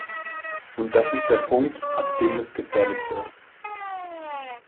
Und das ist der Punkt, ab dem es gefährlich wird.